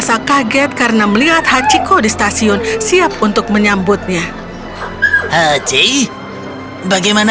sekarang hachi pulang ke rumah